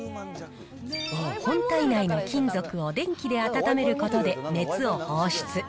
本体内の金属を電気で温めることで熱を放出。